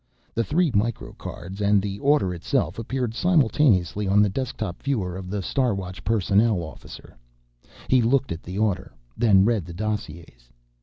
The three microcards and the order itself appeared simultaneously on the desktop viewer of the Star Watch personnel officer. He looked at the order, then read the dossiers.